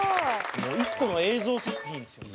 もう一個の映像作品ですよね。